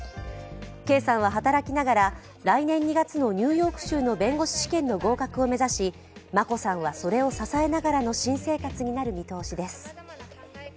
圭さんは働きながら来年２月のニューヨーク州の弁護士試験の合格を目指し眞子さんはそれを支えながらの新生活になる見通しです。